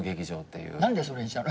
何でそれにしたの？